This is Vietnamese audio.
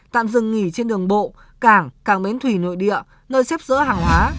tạm dừng nghỉ trên đường bộ cảng cảng bến thủy nội địa nơi xếp dỡ hàng hóa